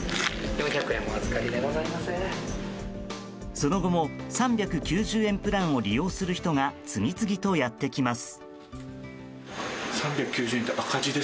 その後も３９０円プランを利用する人が次々とやってきます。